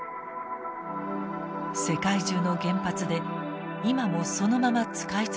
世界中の原発で今もそのまま使い続けられています。